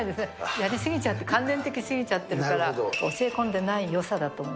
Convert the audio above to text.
やり過ぎちゃって、考え過ぎちゃってるから、教え込んでないよさだと思う。